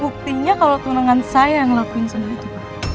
buktinya kalau tunangan saya yang ngelakuin semua itu